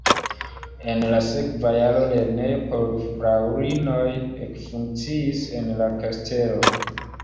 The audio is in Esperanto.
En la sekva jaro lernejo por fraŭlinoj ekfunkciis en la kastelo.